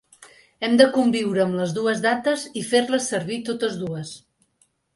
Hem de conviure amb les dues dates i fer-les servir totes dues.